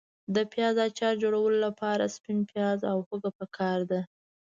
د پیاز اچار جوړولو لپاره سپین پیاز او هوګه پکار دي.